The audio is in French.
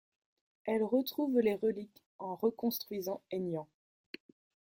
Elle retrouve les reliques en reconstruisant Aignan.